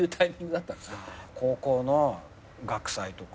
高校の学祭とか。